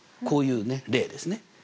こういう例ですね。